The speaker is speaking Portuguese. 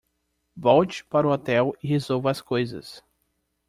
Volte para o hotel e resolva as coisas